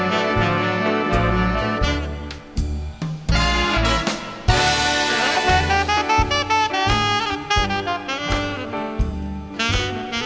ทุกเรามารับทุกน้ำโรงมะพูด